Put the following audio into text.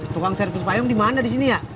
tukang seri puspayung dimana disini ya